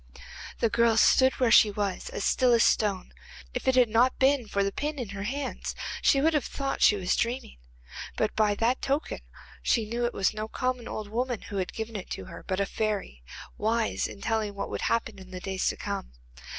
The girl stood where she was, as still as a stone. If it had not been for the pin in her hands she would have thought she was dreaming. But by that token she knew it was no common old woman who had given it to her, but a fairy, wise in telling what would happen in the days to come.